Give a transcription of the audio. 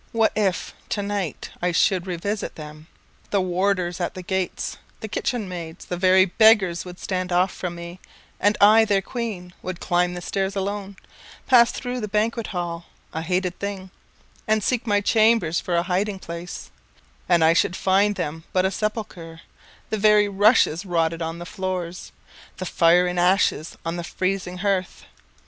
What if, to night, I should revisit them? The warders at the gates, the kitchen maids, The very beggars would stand off from me, And I, their queen, would climb the stairs alone, Pass through the banquet hall, a hated thing, And seek my chambers for a hiding place, And I should find them but a sepulchre, The very rushes rotted on the floors, The fire in ashes on the freezing hearth.